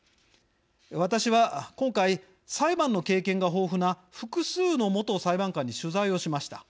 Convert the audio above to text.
私は今回、裁判の経験が豊富な複数の元裁判官に取材をしました。